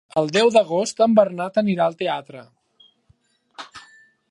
El deu d'agost en Bernat anirà al teatre.